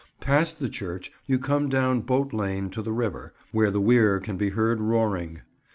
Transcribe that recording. Past the church you come down Boat Lane to the river, where the weir can be heard roaring.